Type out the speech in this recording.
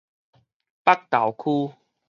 北投區